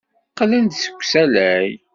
Qqlen-d seg usalay.